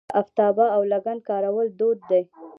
د افتابه او لګن کارول دود دی.